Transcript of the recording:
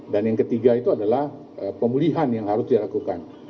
dan yang ketiga itu adalah pemulihan yang harus dilakukan